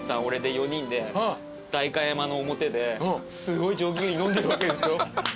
俺で４人で代官山の表ですごい上機嫌に飲んでるわけですよ。